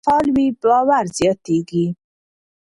که روغتونونه فعال وي، باور زیاتېږي.